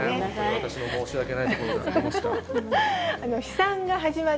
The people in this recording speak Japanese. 私の申し訳ないところが出ました。